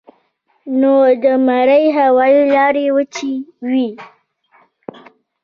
نو د مرۍ هوائي لارې وچې وي